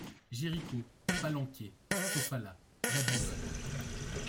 Jéricho, Palenquè, Sofala, Babylone